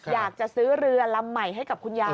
อยากจะซื้อเรือลำใหม่ให้กับคุณยาย